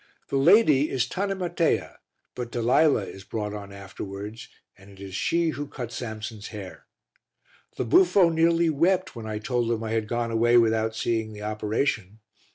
The lady is Tanimatea, but Dalila is brought on afterwards and it is she who cuts Samson's hair. The buffo nearly wept when I told him I had gone away without seeing the operation.